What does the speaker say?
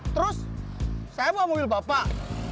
terus saya bawa mobil bapak